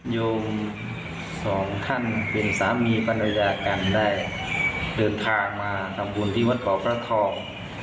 โยมสองท่านเป็นสามีภรรยากันได้เดินทางมาทำบุญที่วัดเขาพระทอง